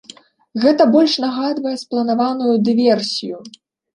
Гэта больш нагадвае спланаваную дыверсію.